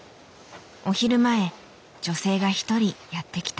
お昼前女性が一人やって来た。